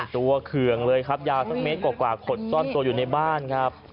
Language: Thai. เคืองเลยครับยาวสักเมตรกว่าขดซ่อนตัวอยู่ในบ้านครับ